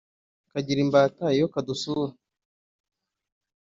kagira imbata iyo kadusura